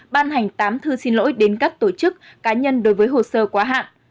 ban hành tám thư xin lỗi đến các tổ chức cá nhân đối với hồ sơ quá hạn